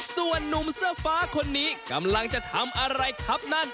ส่วนนุ่มเสื้อฟ้าคนนี้กำลังจะทำอะไรครับนั่น